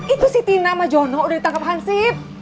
itu si tina sama jono udah ditangkap hansip